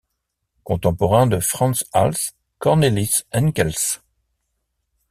Contemporain de Frans Hals, Cornelis Engelsz.